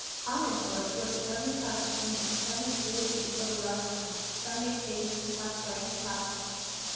On, therefore, towards the governor's house went Inez, treading with weary feet over rough stones, sun baked pavements, across glaring plazas.